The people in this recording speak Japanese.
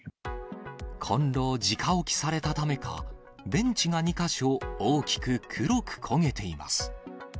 コンロをじか置きされたためか、ベンチが２か所、大きく黒く焦げています。